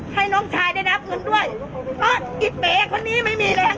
ให้น้องชายได้รับเงินด้วยเพราะอีเป๋คนนี้ไม่มีแรง